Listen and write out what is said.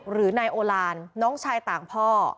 หรือนายโอลานน้องชายต่างพ่อ